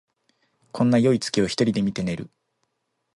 こんなよい月を一人で見て寝る